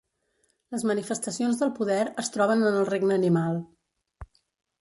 Les manifestacions del poder es troben en el regne animal.